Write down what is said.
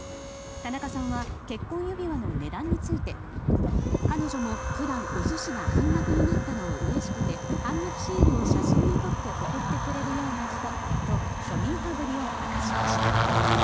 田中さんは結婚指輪の値段について彼女も普段、お寿司が半額になったのをうれしくて半額シールを写真に撮って送ってくれるような人と庶民派ぶりを明かしました。